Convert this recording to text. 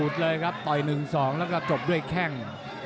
ต่อย๑๒แล้วก็จบด้วยแข้ง